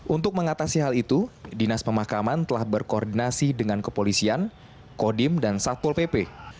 untuk mengatasi hal itu dinas pemakaman telah berkoordinasi dengan kepolisian kodim dan satpol pp